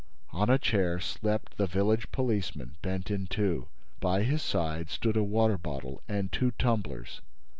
On a chair slept the village policeman, bent in two. By his side stood a water bottle and two tumblers.